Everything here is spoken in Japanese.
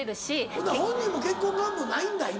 ほな本人も結婚願望ないんだ今。